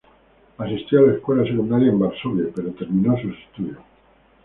Asistió a la escuela secundaria en Varsovia, pero terminó sus estudios.